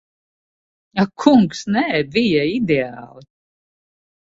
Ak kungs, nē. Bija ideāli.